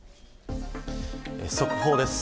速報です。